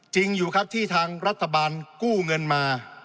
จริงอยู่ครับที่ทางรัฐบาลกู้เงินมา